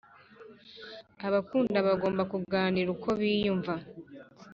abakundana bagomba kuganira uko biyumva